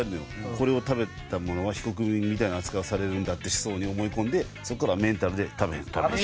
これを食べた者は非国民みたいな扱いをされるんだって思想に思い込んでそこからメンタルで食べへん食べへん。